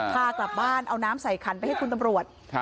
พากลับบ้านเอาน้ำใส่ขันไปให้คุณตำรวจ